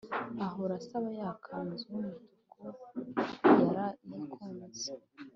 ahora asaba ya kanzu yumutuku yarayikunze